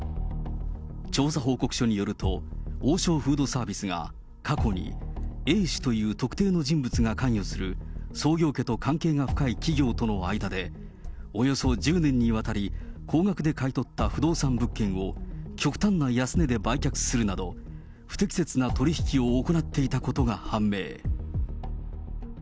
調査報告書によると、王将フードサービスが過去にＡ氏という特定の人物が関与する創業家と関係が深い企業との間で、およそ１０年にわたり、高額で買い取った不動産物件を極端な安値で売却するなど、不適切な取り引きを行っていたことが判明。